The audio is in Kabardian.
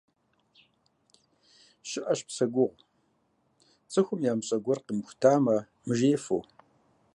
Щыӏэщ псэ гугъу, цӏыхум ямыщӏэ гуэр къимыхутамэ, мыжеифу.